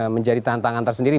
menjadi tantangan tersendiri